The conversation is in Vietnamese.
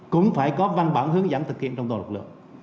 cũng phải có văn bản hướng dẫn thực hiện trong toàn lực lượng